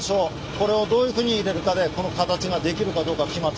これをどういうふうに入れるかでこの形ができるかどうか決まってくるんです。